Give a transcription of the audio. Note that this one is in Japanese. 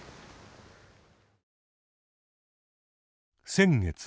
先月。